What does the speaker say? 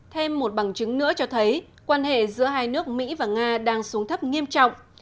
thêm một bằng chứng nữa cho thấy quan hệ giữa hai nước mỹ và nga đang xuống thấp nghiêm trọng